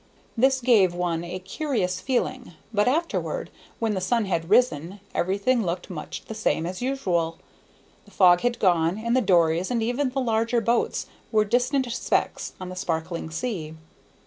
This gave one a curious feeling, but afterward, when the sun had risen, everything looked much the same as usual; the fog had gone, and the dories and even the larger boats were distant specks on the sparkling sea.